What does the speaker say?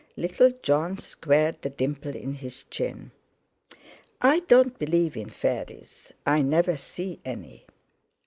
Little Jon squared the dimple in his chin. "I don't believe in fairies. I never see any."